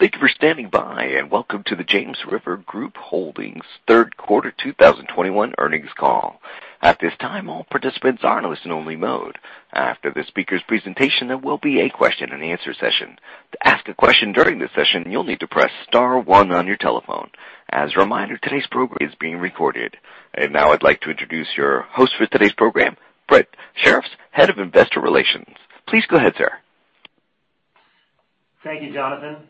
Thank you for standing by, welcome to the James River Group Holdings third quarter 2021 earnings call. At this time, all participants are in listen only mode. After the speaker's presentation, there will be a question and answer session. To ask a question during this session, you'll need to press star one on your telephone. As a reminder, today's program is being recorded. Now I'd like to introduce your host for today's program, Brett Shirreffs, head of investor relations. Please go ahead, sir. Thank you, Jonathan.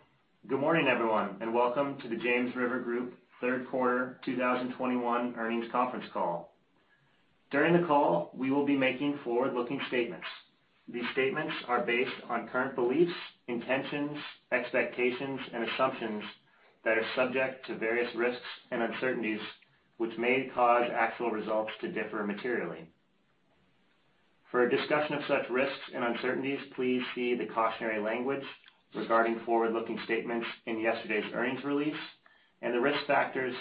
Good morning, everyone, welcome to the James River Group third quarter 2021 earnings conference call. During the call, we will be making forward-looking statements. These statements are based on current beliefs, intentions, expectations, and assumptions that are subject to various risks and uncertainties, which may cause actual results to differ materially. For a discussion of such risks and uncertainties, please see the cautionary language regarding forward-looking statements in yesterday's earnings release and the risk factors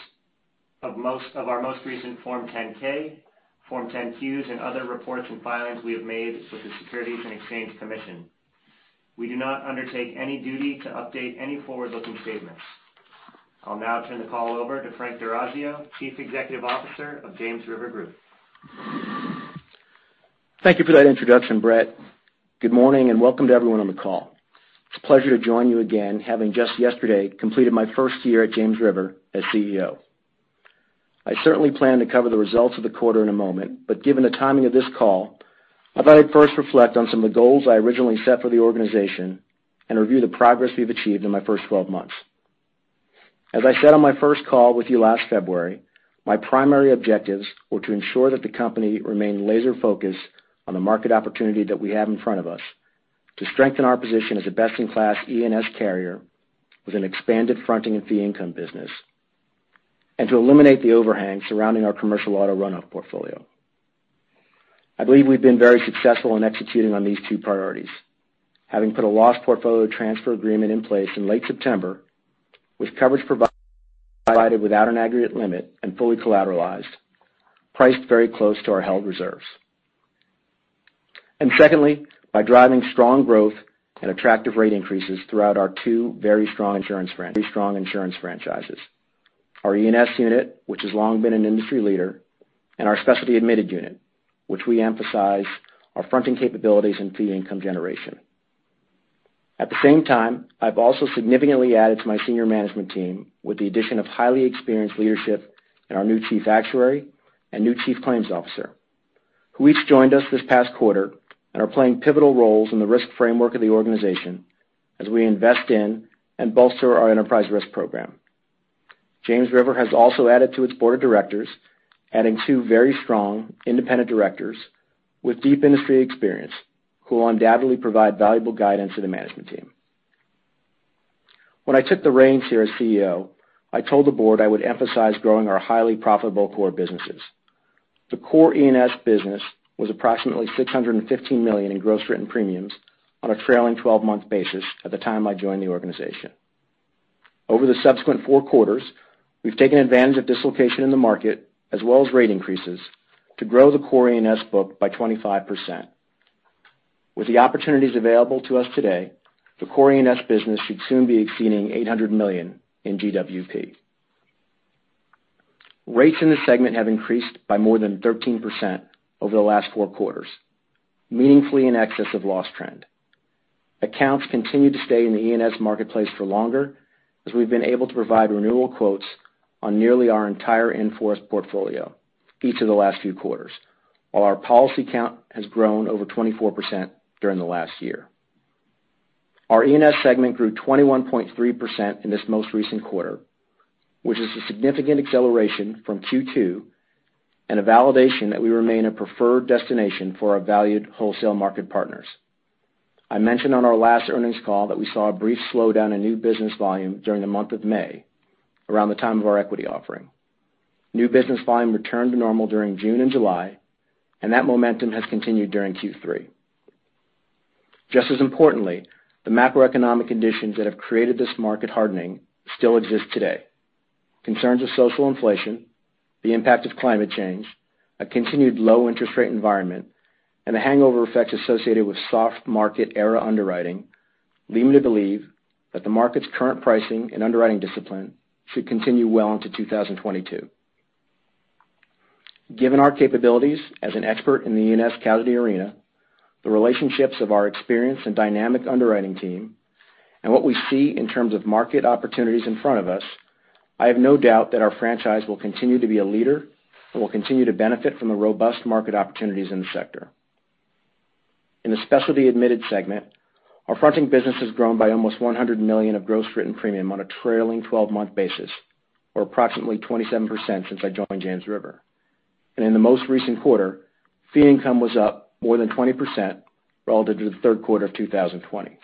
of our most recent Form 10-K, Form 10-Q, and other reports and filings we have made with the Securities and Exchange Commission. We do not undertake any duty to update any forward-looking statements. I'll now turn the call over to Frank D'Orazio, Chief Executive Officer of James River Group. Thank you for that introduction, Brett. Good morning, welcome to everyone on the call. It's a pleasure to join you again, having just yesterday completed my first year at James River as CEO. I certainly plan to cover the results of the quarter in a moment, but given the timing of this call, I thought I'd first reflect on some of the goals I originally set for the organization and review the progress we've achieved in my first 12 months. As I said on my first call with you last February, my primary objectives were to ensure that the company remained laser-focused on the market opportunity that we have in front of us, to strengthen our position as a best-in-class E&S carrier with an expanded fronting and fee income business, and to eliminate the overhang surrounding our commercial auto runoff portfolio. I believe we've been very successful in executing on these two priorities. Having put a loss portfolio transfer agreement in place in late September with coverage provided without an aggregate limit and fully collateralized, priced very close to our held reserves. Secondly, by driving strong growth and attractive rate increases throughout our two very strong insurance franchises. Our E&S unit, which has long been an industry leader, and our specialty admitted unit, which we emphasize our fronting capabilities and fee income generation. At the same time, I've also significantly added to my senior management team with the addition of highly experienced leadership in our new chief actuary and new chief claims officer, who each joined us this past quarter and are playing pivotal roles in the risk framework of the organization as we invest in and bolster our enterprise risk program. James River has also added to its board of directors, adding two very strong independent directors with deep industry experience who will undoubtedly provide valuable guidance to the management team. When I took the reins here as CEO, I told the board I would emphasize growing our highly profitable core businesses. The core E&S business was approximately $615 million in gross written premiums on a trailing 12-month basis at the time I joined the organization. Over the subsequent four quarters, we've taken advantage of dislocation in the market as well as rate increases to grow the core E&S book by 25%. With the opportunities available to us today, the core E&S business should soon be exceeding $800 million in GWP. Rates in this segment have increased by more than 13% over the last four quarters, meaningfully in excess of loss trend. Accounts continue to stay in the E&S marketplace for longer, as we've been able to provide renewal quotes on nearly our entire in-force portfolio each of the last few quarters, while our policy count has grown over 24% during the last year. Our E&S segment grew 21.3% in this most recent quarter, which is a significant acceleration from Q2, and a validation that we remain a preferred destination for our valued wholesale market partners. I mentioned on our last earnings call that we saw a brief slowdown in new business volume during the month of May, around the time of our equity offering. New business volume returned to normal during June and July, and that momentum has continued during Q3. Just as importantly, the macroeconomic conditions that have created this market hardening still exist today. Concerns of social inflation, the impact of climate change, a continued low interest rate environment, and the hangover effects associated with soft market era underwriting lead me to believe that the market's current pricing and underwriting discipline should continue well into 2022. Given our capabilities as an expert in the E&S casualty arena, the relationships of our experienced and dynamic underwriting team, and what we see in terms of market opportunities in front of us, I have no doubt that our franchise will continue to be a leader and will continue to benefit from the robust market opportunities in the sector. In the specialty admitted segment, our fronting business has grown by almost $100 million of gross written premium on a trailing 12-month basis, or approximately 27% since I joined James River. In the most recent quarter, fee income was up more than 20% relative to the third quarter of 2020.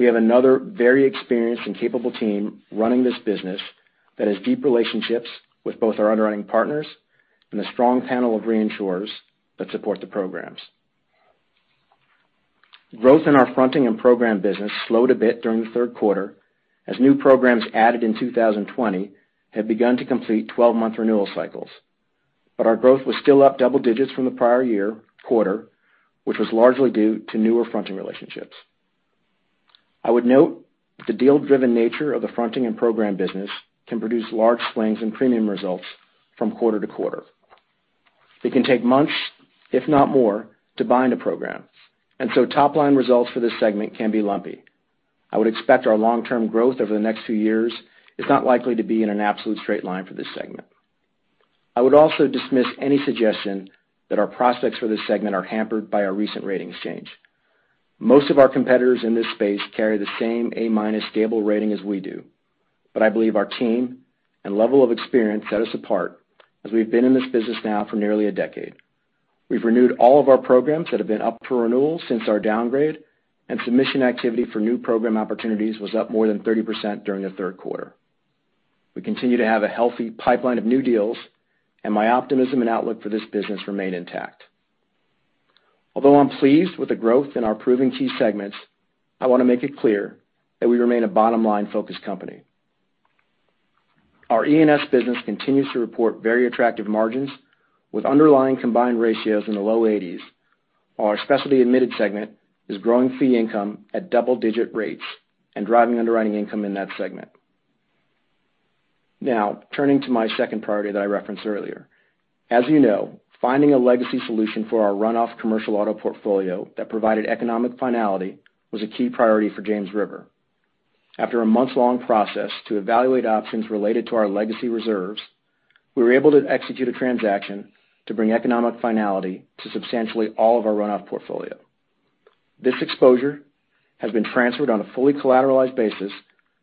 We have another very experienced and capable team running this business that has deep relationships with both our underwriting partners and a strong panel of reinsurers that support the programs. Growth in our fronting and program business slowed a bit during the third quarter as new programs added in 2020 have begun to complete 12-month renewal cycles. But our growth was still up double digits from the prior year quarter, which was largely due to newer fronting relationships. I would note the deal-driven nature of the fronting and program business can produce large swings in premium results from quarter to quarter. It can take months, if not more, to bind a program, and so top-line results for this segment can be lumpy. I would expect our long-term growth over the next few years is not likely to be in an absolute straight line for this segment. I would also dismiss any suggestion that our prospects for this segment are hampered by our recent rating exchange. Most of our competitors in this space carry the same A- stable rating as we do. I believe our team and level of experience set us apart, as we've been in this business now for nearly a decade. We've renewed all of our programs that have been up for renewal since our downgrade, and submission activity for new program opportunities was up more than 30% during the third quarter. We continue to have a healthy pipeline of new deals, my optimism and outlook for this business remain intact. Although I'm pleased with the growth in our proving key segments, I want to make it clear that we remain a bottom line-focused company. Our E&S business continues to report very attractive margins with underlying combined ratios in the low 80s, while our specialty admitted segment is growing fee income at double-digit rates and driving underwriting income in that segment. Turning to my second priority that I referenced earlier. As you know, finding a legacy solution for our run-off commercial auto portfolio that provided economic finality was a key priority for James River. After a months-long process to evaluate options related to our legacy reserves, we were able to execute a transaction to bring economic finality to substantially all of our run-off portfolio. This exposure has been transferred on a fully collateralized basis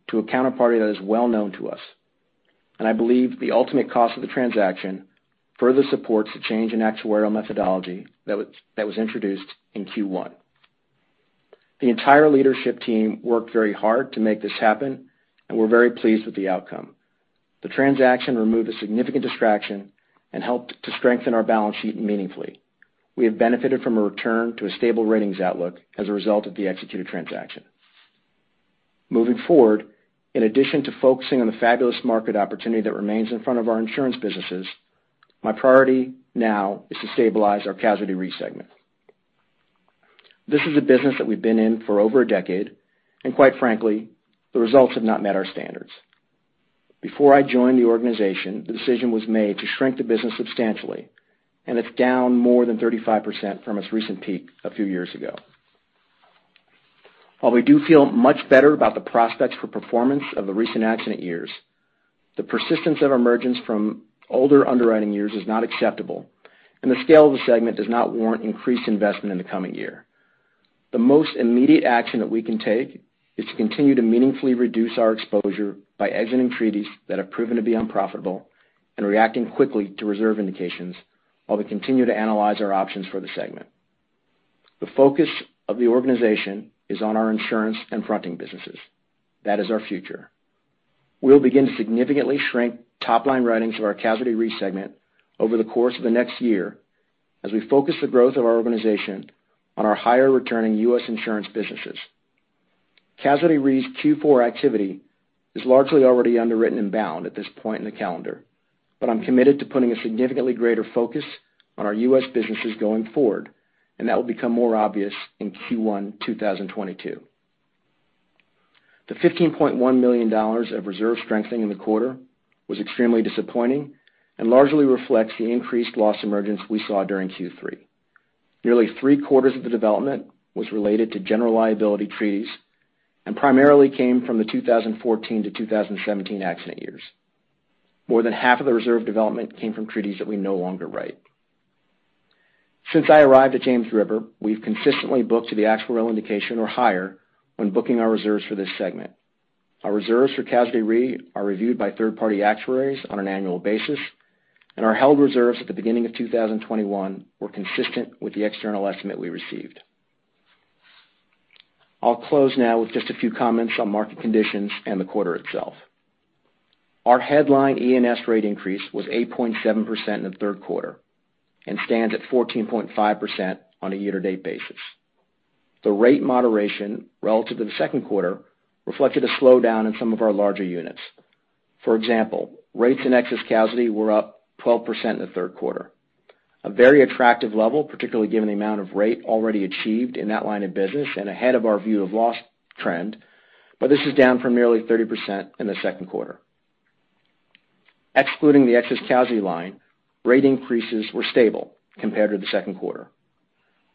to a counterparty that is well-known to us, I believe the ultimate cost of the transaction further supports the change in actuarial methodology that was introduced in Q1. The entire leadership team worked very hard to make this happen, we're very pleased with the outcome. The transaction removed a significant distraction and helped to strengthen our balance sheet meaningfully. We have benefited from a return to a stable ratings outlook as a result of the executed transaction. Moving forward, in addition to focusing on the fabulous market opportunity that remains in front of our insurance businesses, my priority now is to stabilize our Casualty Re segment. This is a business that we've been in for over a decade, quite frankly, the results have not met our standards. Before I joined the organization, the decision was made to shrink the business substantially, it's down more than 35% from its recent peak a few years ago. While we do feel much better about the prospects for performance of the recent accident years, the persistence of emergence from older underwriting years is not acceptable, the scale of the segment does not warrant increased investment in the coming year. The most immediate action that we can take is to continue to meaningfully reduce our exposure by exiting treaties that have proven to be unprofitable and reacting quickly to reserve indications while we continue to analyze our options for the segment. The focus of the organization is on our insurance and fronting businesses. That is our future. We'll begin to significantly shrink top-line writings of our Casualty Re segment over the course of the next year as we focus the growth of our organization on our higher returning U.S. insurance businesses. Casualty Re's Q4 activity is largely already underwritten and bound at this point in the calendar. I'm committed to putting a significantly greater focus on our U.S. businesses going forward, and that will become more obvious in Q1 2022. The $15.1 million of reserve strengthening in the quarter was extremely disappointing and largely reflects the increased loss emergence we saw during Q3. Nearly three-quarters of the development was related to general liability treaties and primarily came from the 2014-2017 accident years. More than half of the reserve development came from treaties that we no longer write. Since I arrived at James River, we've consistently booked to the actuarial indication or higher when booking our reserves for this segment. Our reserves for Casualty Re are reviewed by third-party actuaries on an annual basis, and our held reserves at the beginning of 2021 were consistent with the external estimate we received. I'll close now with just a few comments on market conditions and the quarter itself. Our headline E&S rate increase was 8.7% in the third quarter and stands at 14.5% on a year-to-date basis. The rate moderation relative to the second quarter reflected a slowdown in some of our larger units. For example, rates in excess casualty were up 12% in the third quarter. A very attractive level, particularly given the amount of rate already achieved in that line of business and ahead of our view of loss trend, but this is down from nearly 30% in the second quarter. Excluding the excess casualty line, rate increases were stable compared to the second quarter.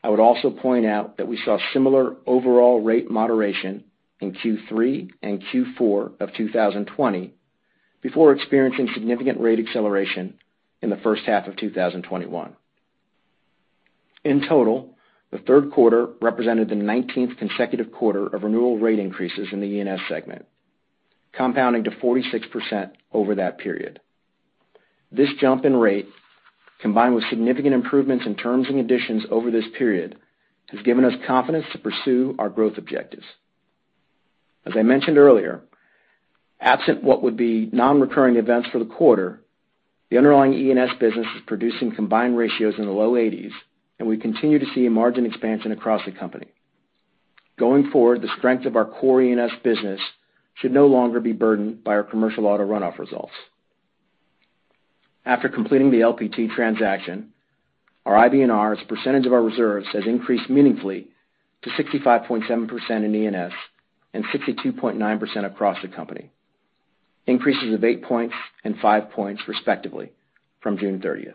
I would also point out that we saw similar overall rate moderation in Q3 and Q4 of 2020 before experiencing significant rate acceleration in the first half of 2021. In total, the third quarter represented the 19th consecutive quarter of renewal rate increases in the E&S segment, compounding to 46% over that period. This jump in rate, combined with significant improvements in terms and additions over this period, has given us confidence to pursue our growth objectives. As I mentioned earlier, absent what would be non-recurring events for the quarter, the underlying E&S business is producing combined ratios in the low 80s, and we continue to see a margin expansion across the company. Going forward, the strength of our core E&S business should no longer be burdened by our commercial auto runoff results. After completing the LPT transaction, our IBNR as a percentage of our reserves has increased meaningfully to 65.7% in E&S and 62.9% across the company. Increases of eight points and five points respectively from June 30th.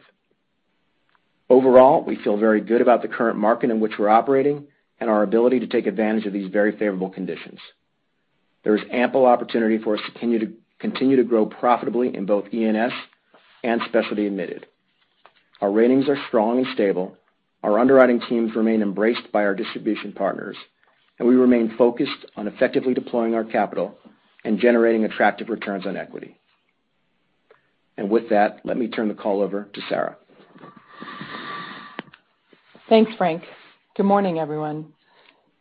Overall, we feel very good about the current market in which we're operating and our ability to take advantage of these very favorable conditions. There is ample opportunity for us to continue to grow profitably in both E&S and specialty admitted. Our ratings are strong and stable. Our underwriting teams remain embraced by our distribution partners, we remain focused on effectively deploying our capital and generating attractive returns on equity. With that, let me turn the call over to Sarah. Thanks, Frank. Good morning, everyone.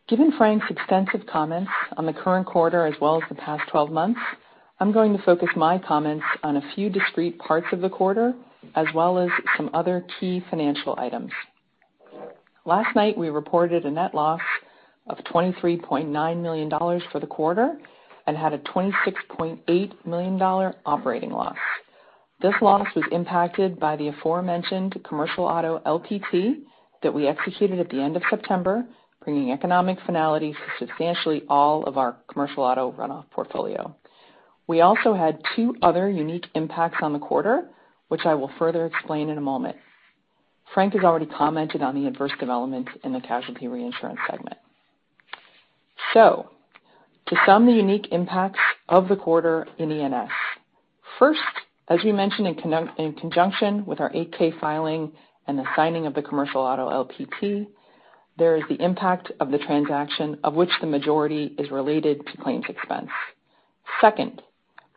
Given Frank's extensive comments on the current quarter as well as the past 12 months, I am going to focus my comments on a few discrete parts of the quarter, as well as some other key financial items. Last night, we reported a net loss of $23.9 million for the quarter and had a $26.8 million operating loss. This loss was impacted by the aforementioned commercial auto LPT that we executed at the end of September, bringing economic finality to substantially all of our commercial auto runoff portfolio. We also had two other unique impacts on the quarter, which I will further explain in a moment. Frank has already commented on the adverse developments in the Casualty Reinsurance segment. To sum the unique impacts of the quarter in E&S. First, as we mentioned in conjunction with our Form 8-K filing and the signing of the commercial auto LPT, there is the impact of the transaction of which the majority is related to claims expense. Second,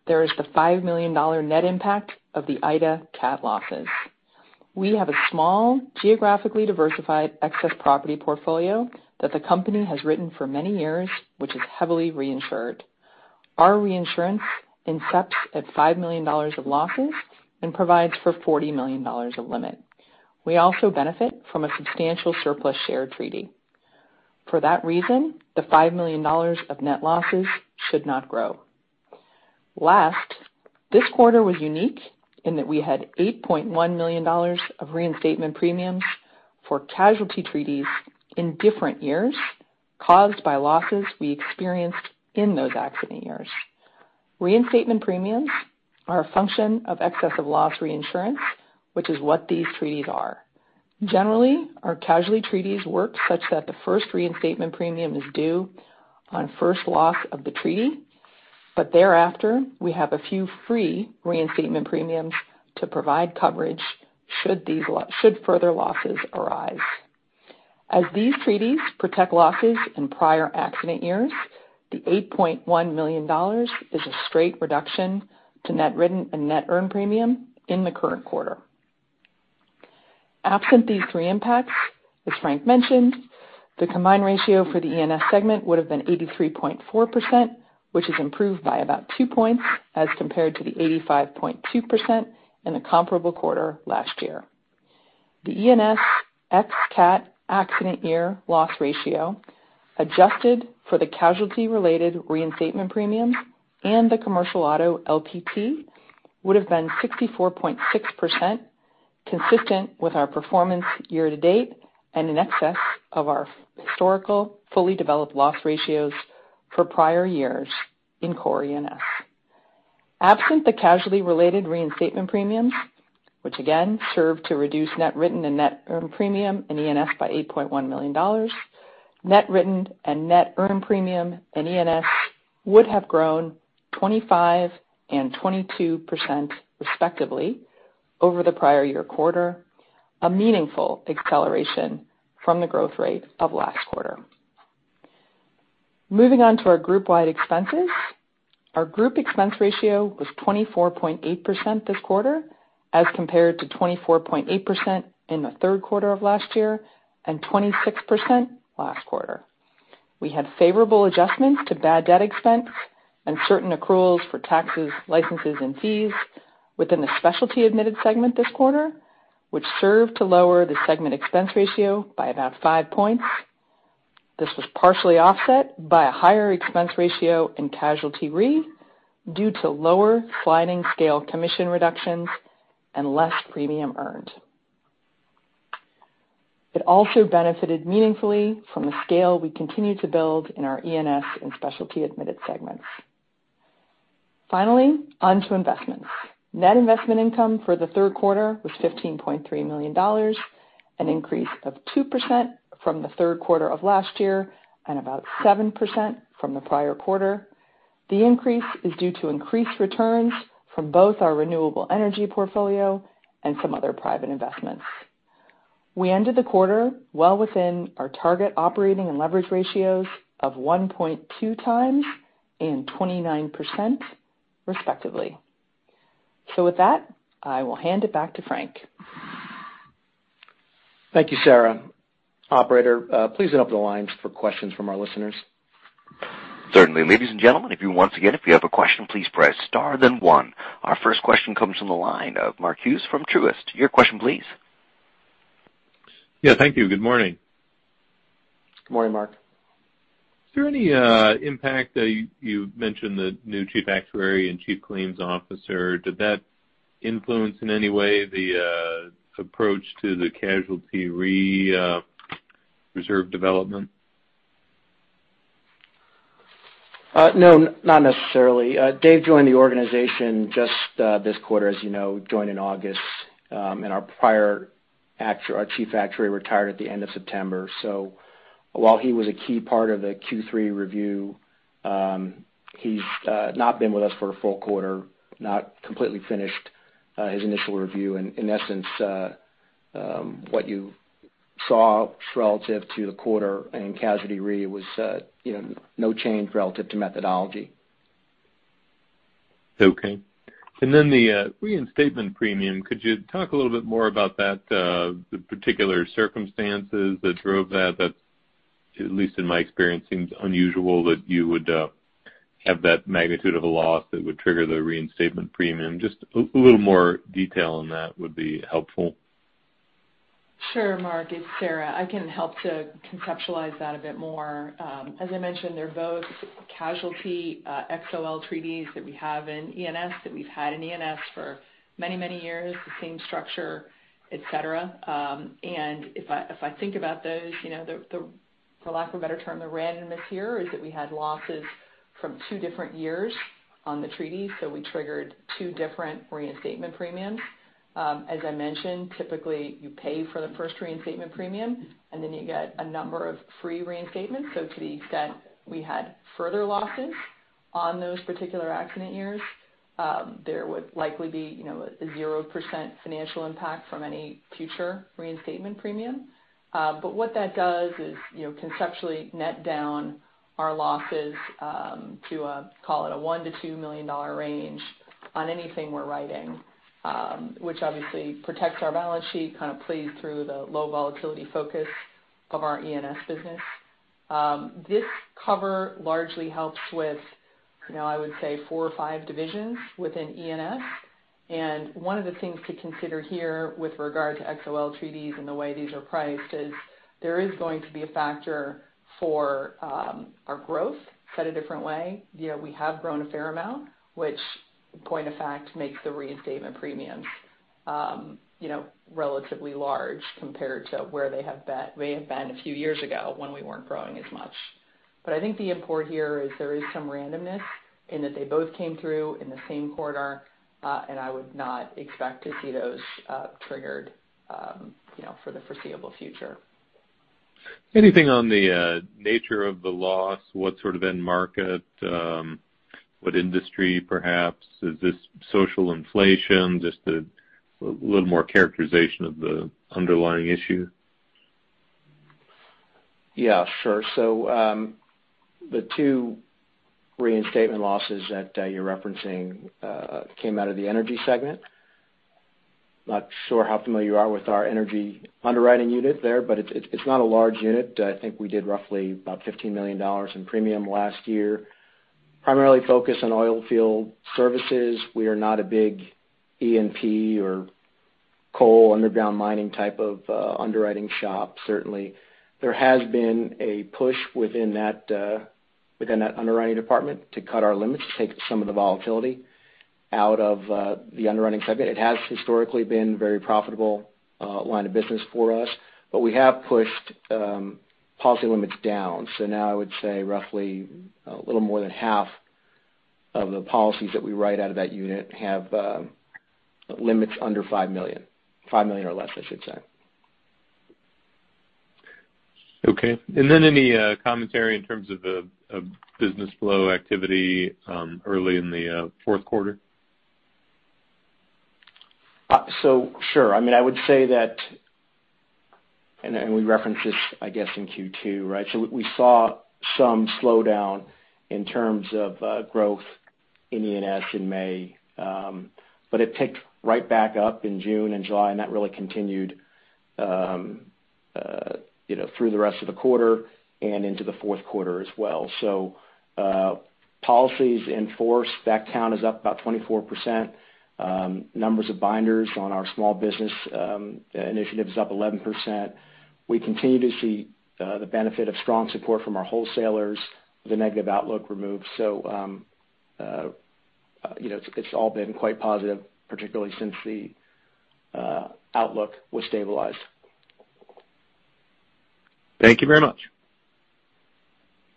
there is the $5 million net impact of the Ida cat losses. We have a small, geographically diversified excess property portfolio that the company has written for many years, which is heavily reinsured. Our reinsurance incepts at $5 million of losses and provides for $40 million of limit. We also benefit from a substantial surplus share treaty. For that reason, the $5 million of net losses should not grow. Last, this quarter was unique in that we had $8.1 million of reinstatement premiums for casualty treaties in different years caused by losses we experienced in those accident years. Reinstatement premiums are a function of excess of loss reinsurance, which is what these treaties are. Generally, our casualty treaties work such that the first reinstatement premium is due on first loss of the treaty, but thereafter, we have a few free reinstatement premiums to provide coverage should further losses arise. As these treaties protect losses in prior accident years, the $8.1 million is a straight reduction to net written and net earned premium in the current quarter. Absent these three impacts, as Frank mentioned, the combined ratio for the E&S segment would have been 83.4%, which is improved by about two points as compared to the 85.2% in the comparable quarter last year. The E&S ex cat accident year loss ratio, adjusted for the casualty-related reinstatement premiums and the commercial auto LPT, would have been 64.6%, consistent with our performance year to date and in excess of our historical fully developed loss ratios for prior years in core E&S. Absent the casualty-related reinstatement premiums, which again serve to reduce net written and net earned premium in E&S by $8.1 million, net written and net earned premium in E&S would have grown 25% and 22% respectively over the prior year quarter, a meaningful acceleration from the growth rate of last quarter. Moving on to our group-wide expenses. Our group expense ratio was 24.8% this quarter as compared to 24.8% in the third quarter of last year and 26% last quarter. We had favorable adjustments to bad debt expense and certain accruals for taxes, licenses, and fees within the Specialty Admitted Segment this quarter, which served to lower the segment expense ratio by about five points. This was partially offset by a higher expense ratio in Casualty Re due to lower sliding scale commission reductions and less premium earned. It also benefited meaningfully from the scale we continue to build in our E&S and Specialty Admitted Segments. Finally, on to investments. Net investment income for the third quarter was $15.3 million, an increase of 2% from the third quarter of last year and about 7% from the prior quarter. The increase is due to increased returns from both our renewable energy portfolio and some other private investments. We ended the quarter well within our target operating and leverage ratios of 1.2 times and 29% respectively. With that, I will hand it back to Frank. Thank you, Sarah. Operator, please open up the lines for questions from our listeners. Certainly. Ladies and gentlemen, once again, if you have a question, please press star then one. Our first question comes from the line of Mark Hughes from Truist. Your question, please. Yeah. Thank you. Good morning. Good morning, Mark. Is there any impact, you mentioned the new Chief Actuary and Chief Claims Officer, did that influence in any way the approach to the casualty reserve development? No, not necessarily. Dave joined the organization just this quarter, as you know, joined in August. Our Chief Actuary retired at the end of September. While he was a key part of the Q3 review, he's not been with us for a full quarter, not completely finished his initial review. In essence, what you saw relative to the quarter in Casualty Re was no change relative to methodology. Okay. The reinstatement premium, could you talk a little bit more about that, the particular circumstances that drove that? That, at least in my experience, seems unusual that you would have that magnitude of a loss that would trigger the reinstatement premium. Just a little more detail on that would be helpful. Sure, Mark, it's Sarah. I can help to conceptualize that a bit more. As I mentioned, they're both casualty XOL treaties that we have in E&S, that we've had in E&S for many years, the same structure, et cetera. If I think about those, for lack of a better term, the randomness here is that we had losses from two different years on the treaty, so we triggered two different reinstatement premiums. As I mentioned, typically you pay for the first reinstatement premium, and then you get a number of free reinstatements. To the extent we had further losses on those particular accident years, there would likely be a 0% financial impact from any future reinstatement premium. What that does is conceptually net down our losses, to call it a $1 million to $2 million range on anything we're writing, which obviously protects our balance sheet, kind of plays through the low volatility focus of our E&S business. This cover largely helps with, I would say four or five divisions within E&S. One of the things to consider here with regard to XOL treaties and the way these are priced is there is going to be a factor for our growth. Said a different way, we have grown a fair amount, which point of fact makes the reinstatement premiums relatively large compared to where they may have been a few years ago when we weren't growing as much. I think the import here is there is some randomness in that they both came through in the same quarter. I would not expect to see those triggered for the foreseeable future. Anything on the nature of the loss? What sort of end market? What industry perhaps? Is this social inflation? Just a little more characterization of the underlying issue. Yeah, sure. The two reinstatement losses that you're referencing came out of the energy segment. Not sure how familiar you are with our energy underwriting unit there, but it's not a large unit. I think we did roughly about $15 million in premium last year, primarily focused on oil field services. We are not a big E&P or coal underground mining type of underwriting shop. Certainly, there has been a push within that underwriting department to cut our limits to take some of the volatility out of the underwriting segment. It has historically been very profitable line of business for us, but we have pushed policy limits down. Now I would say roughly a little more than half of the policies that we write out of that unit have limits under $5 million. $5 million or less, I should say. Okay. Any commentary in terms of business flow activity early in the fourth quarter? Sure. I would say that, we referenced this, I guess, in Q2, right? We saw some slowdown in terms of growth in E&S in May. It picked right back up in June and July, and that really continued through the rest of the quarter and into the fourth quarter as well. Policies in force, that count is up about 24%. Numbers of binders on our Small Business Initiative is up 11%. We continue to see the benefit of strong support from our wholesalers, the negative outlook removed. It's all been quite positive, particularly since the outlook was stabilized. Thank you very much.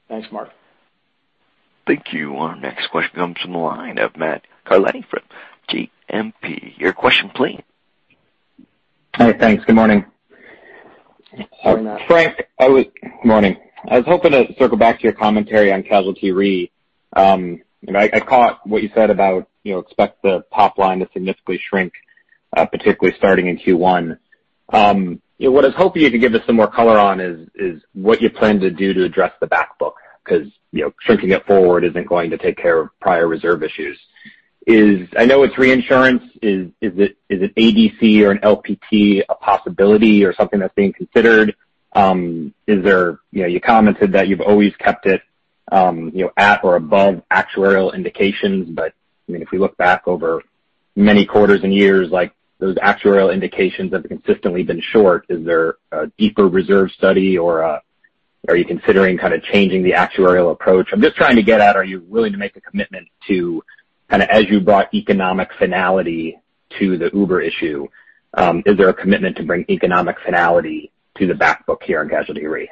Thanks, Mark. Thank you. Our next question comes from the line of Matt Carletti from JMP. Your question please. Hi. Thanks. Good morning. Good morning. Frank, good morning. I was hoping to circle back to your commentary on Casualty Re. I caught what you said about expect the top line to significantly shrink, particularly starting in Q1. What I was hoping you could give us some more color on is what you plan to do to address the back book, because shrinking it forward isn't going to take care of prior reserve issues. I know it's reinsurance. Is it ADC or an LPT a possibility or something that's being considered? You commented that you've always kept it at or above actuarial indications, but if we look back over many quarters and years, those actuarial indications have consistently been short. Is there a deeper reserve study or are you considering changing the actuarial approach? I'm just trying to get at, are you willing to make a commitment to, as you brought economic finality to the Uber issue, is there a commitment to bring economic finality to the back book here in Casualty Re?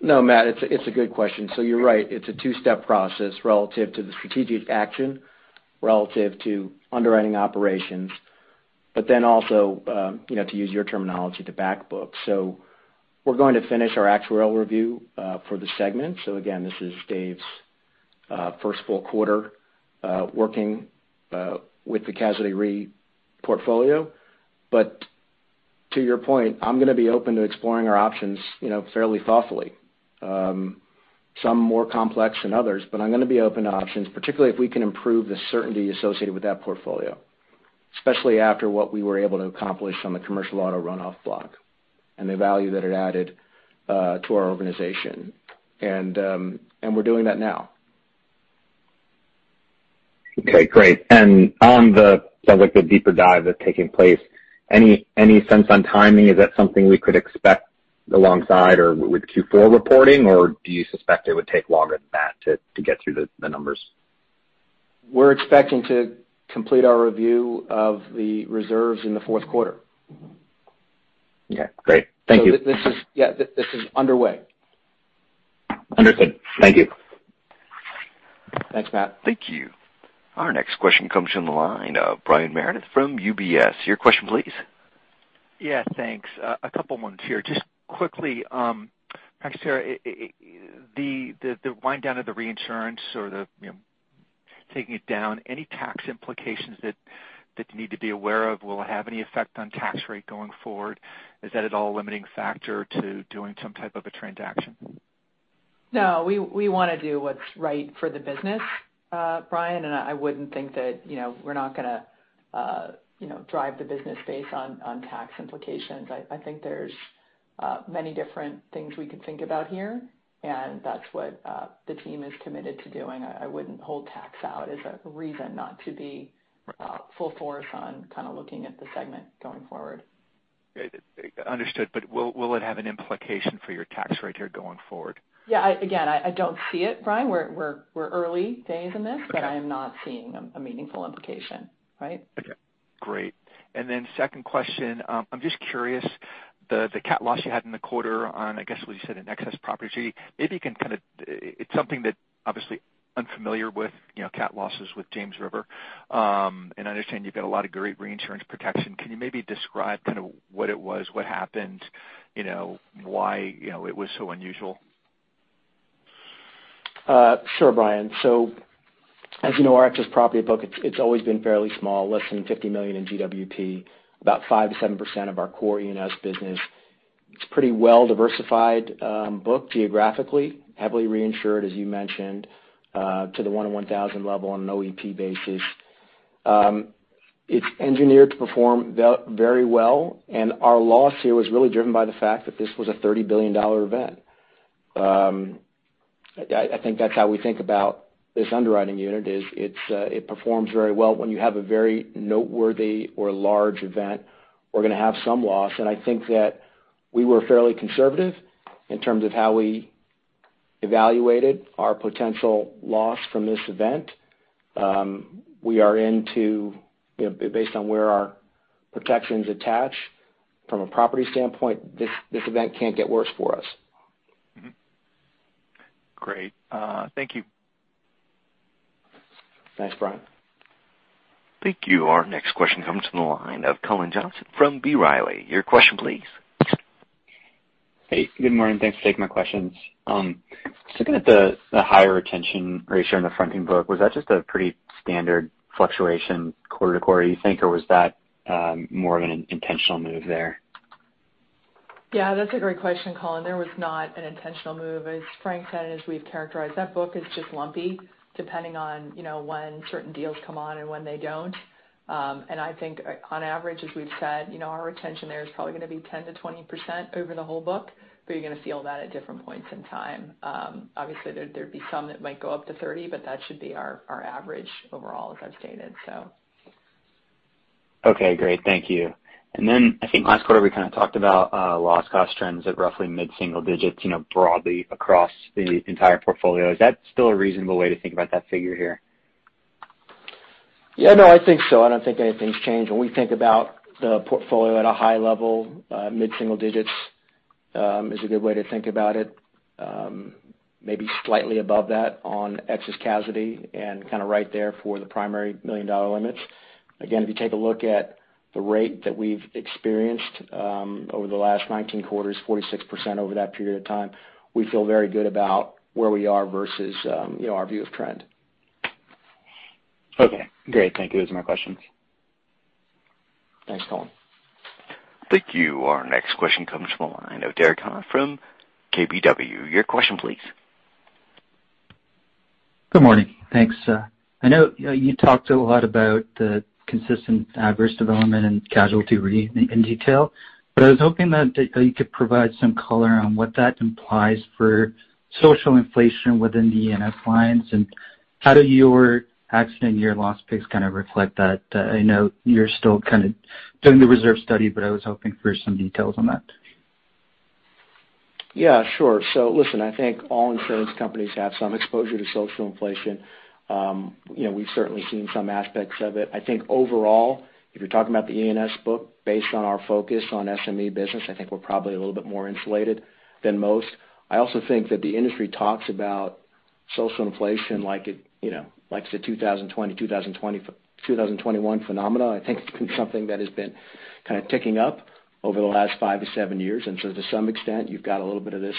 No, Matt, it's a good question. You're right, it's a two-step process relative to the strategic action, relative to underwriting operations. Also, to use your terminology, to back book. We're going to finish our actuarial review for the segment. Again, this is Dave's first full quarter working with the Casualty Re portfolio. To your point, I'm going to be open to exploring our options fairly thoughtfully. Some more complex than others, but I'm going to be open to options, particularly if we can improve the certainty associated with that portfolio, especially after what we were able to accomplish on the commercial auto runoff block and the value that it added to our organization. We're doing that now. Okay, great. On the deeper dive that's taking place, any sense on timing? Is that something we could expect alongside or with Q4 reporting? Or do you suspect it would take longer than that to get through the numbers? We're expecting to complete our review of the reserves in the fourth quarter. Yeah. Great. Thank you. This is underway. Understood. Thank you. Thanks, Matt. Thank you. Our next question comes from the line of Brian Meredith from UBS. Your question, please. Yeah, thanks. A couple ones here. Just quickly, actually, the wind down of the reinsurance or the taking it down, any tax implications that you need to be aware of? Will it have any effect on tax rate going forward? Is that at all a limiting factor to doing some type of a transaction? No. We want to do what's right for the business, Brian, and I wouldn't think that we're not going to drive the business based on tax implications. I think there's many different things we could think about here, and that's what the team is committed to doing. I wouldn't hold tax out as a reason not to be full force on looking at the segment going forward. Understood. Will it have an implication for your tax rate here going forward? Yeah. Again, I don't see it, Brian. We're early days in this. Okay I'm not seeing a meaningful implication. Right? Okay, great. Second question. I'm just curious, the cat loss you had in the quarter on, I guess what you said, an excess property, it's something that obviously unfamiliar with cat losses with James River. I understand you've got a lot of great reinsurance protection. Can you maybe describe what it was, what happened, why it was so unusual? Sure, Brian. As you know, our excess property book, it's always been fairly small, less than $50 million in GWP, about 5%-7% of our core E&S business. It's pretty well diversified book geographically, heavily reinsured, as you mentioned, to the one in 1,000 level on an OEP basis. It's engineered to perform very well. Our loss here was really driven by the fact that this was a $30 billion event. I think that's how we think about this underwriting unit is it performs very well. When you have a very noteworthy or large event, we're going to have some loss. I think that we were fairly conservative in terms of how we evaluated our potential loss from this event. Based on where our protection's attached from a property standpoint, this event can't get worse for us. Great. Thank you. Thanks, Brian. Thank you. Our next question comes from the line of Colin Johnson from B. Riley. Your question, please. Hey, good morning. Thanks for taking my questions. Just looking at the higher retention ratio in the fronting book, was that just a pretty standard fluctuation quarter-to-quarter, you think, or was that more of an intentional move there? Yeah, that's a great question, Colin. There was not an intentional move. As Frank said, as we've characterized, that book is just lumpy depending on when certain deals come on and when they don't. I think on average, as we've said, our retention there is probably going to be 10%-20% over the whole book, but you're going to feel that at different points in time. Obviously, there'd be some that might go up to 30%, but that should be our average overall, as I've stated. Okay, great. Thank you. I think last quarter, we talked about loss cost trends at roughly mid-single digits broadly across the entire portfolio. Is that still a reasonable way to think about that figure here? No, I think so. I don't think anything's changed. When we think about the portfolio at a high level, mid-single digits is a good way to think about it. Maybe slightly above that on excess casualty, and right there for the primary million-dollar limits. If you take a look at the rate that we've experienced over the last 19 quarters, 46% over that period of time, we feel very good about where we are versus our view of trend. Great. Thank you. Those are my questions. Thanks, Colin. Thank you. Our next question comes from the line of Meyer Shields from KBW. Your question, please. Good morning. Thanks. I know you talked a lot about the consistent adverse development and Casualty Re in detail, but I was hoping that you could provide some color on what that implies for social inflation within the E&S lines, and how do your accident year loss picks kind of reflect that? I know you're still kind of doing the reserve study, but I was hoping for some details on that. Yeah, sure. Listen, I think all insurance companies have some exposure to social inflation. We've certainly seen some aspects of it. I think overall, if you're talking about the E&S book, based on our focus on SME business, I think we're probably a little bit more insulated than most. I also think that the industry talks about social inflation like the 2020, 2021 phenomena, I think it's been something that has been kind of ticking up over the last five to seven years. To some extent, you've got a little bit of this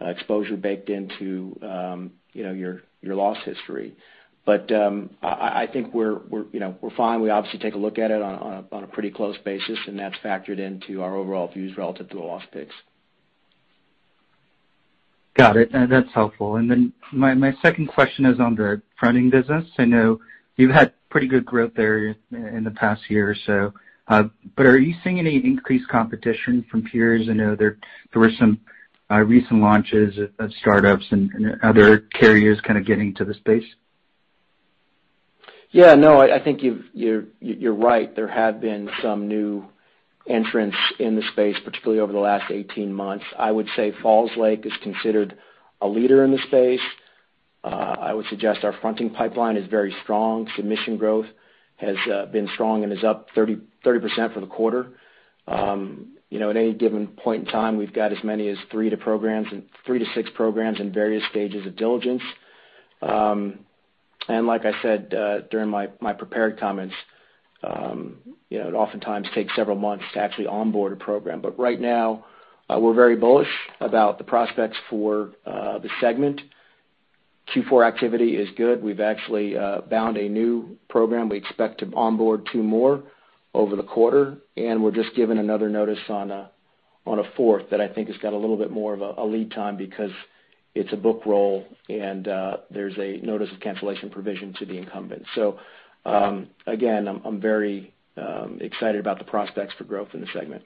exposure baked into your loss history. I think we're fine. We obviously take a look at it on a pretty close basis, and that's factored into our overall views relative to the loss picks. Got it. No, that's helpful. My second question is on the fronting business. I know you've had pretty good growth there in the past year or so. Are you seeing any increased competition from peers? I know there were some recent launches of startups and other carriers kind of getting to the space. Yeah, no, I think you're right. There have been some new entrants in the space, particularly over the last 18 months. I would say Falls Lake is considered a leader in the space. I would suggest our fronting pipeline is very strong. Submission growth has been strong and is up 30% for the quarter. At any given point in time, we've got as many as three to six programs in various stages of diligence. Like I said, during my prepared comments, it oftentimes takes several months to actually onboard a program. Right now, we're very bullish about the prospects for the segment. Q4 activity is good. We've actually bound a new program. We expect to onboard two more over the quarter. We're just given another notice on a fourth that I think has got a little bit more of a lead time because it's a book roll and there's a notice of cancellation provision to the incumbent. Again, I'm very excited about the prospects for growth in the segment.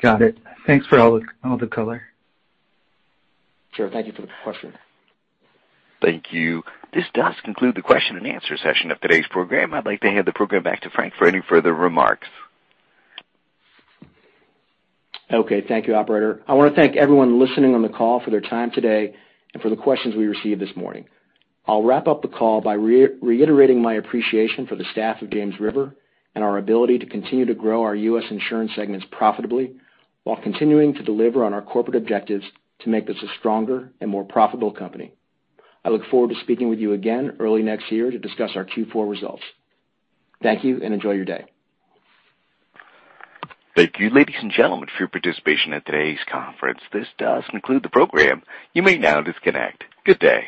Got it. Thanks for all the color. Sure. Thank you for the question. Thank you. This does conclude the question and answer session of today's program. I'd like to hand the program back to Frank for any further remarks. Okay. Thank you, Operator. I want to thank everyone listening on the call for their time today and for the questions we received this morning. I'll wrap up the call by reiterating my appreciation for the staff of James River and our ability to continue to grow our U.S. insurance segments profitably while continuing to deliver on our corporate objectives to make this a stronger and more profitable company. I look forward to speaking with you again early next year to discuss our Q4 results. Thank you and enjoy your day. Thank you, ladies and gentlemen, for your participation in today's conference. This does conclude the program. You may now disconnect. Good day.